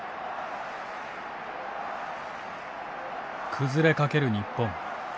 崩れかける日本。